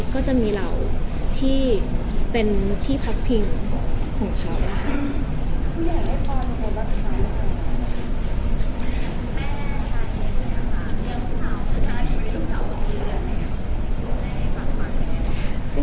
ก็จะมีเหล่าที่เป็นที่พักพิงของเขานะคะ